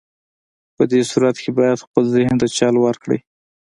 په دې صورت کې بايد خپل ذهن ته چل ورکړئ.